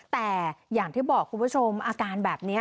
แต่อย่างที่บอกคุณผู้ชมอาการแบบนี้